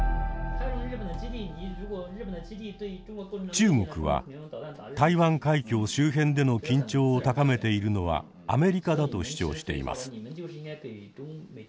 中国は台湾海峡周辺での緊張を高めているのはアメリカだと主張しています。